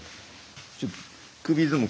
ちょっと首相撲。